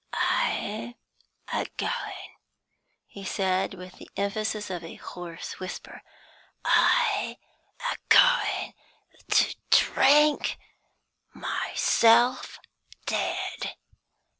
"I'm a goin'," he said, with the emphasis of a hoarse whisper, "I a goin' to drink myself dead!